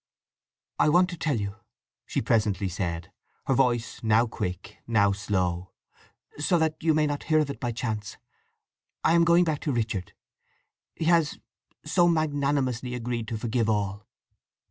"I want to tell you," she presently said, her voice now quick, now slow, "so that you may not hear of it by chance. I am going back to Richard. He has—so magnanimously—agreed to forgive all."